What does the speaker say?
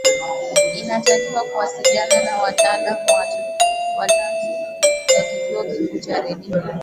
inatakiwa kuwasiliana na wataalam wa tanzu ya kituo kikuu cha redio